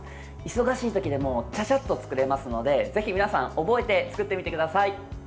忙しいときでもちゃちゃっと作れますのでぜひ皆さん、覚えて作ってみてください。